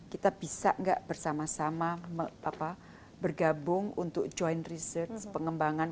kita bisa nggak bersama sama bergabung untuk joint research pengembangan